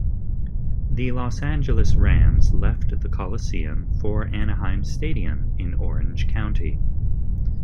The Los Angeles Rams left the Coliseum for Anaheim Stadium in Orange County.